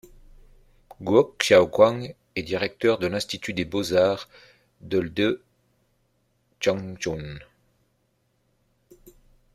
Guo Xiaoguang est directeur de l'Institut des beaux-arts de l' de Changchun.